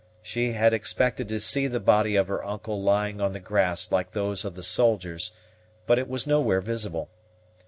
She had expected to see the body of her uncle lying on the grass like those of the soldiers, but it was nowhere visible.